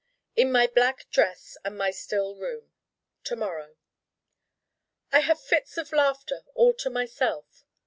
In my black dress and my still room To morrow I have fits of Laughter all to myself.